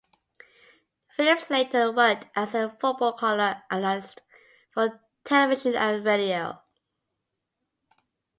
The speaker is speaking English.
Phillips later worked as a football color analyst for television and radio.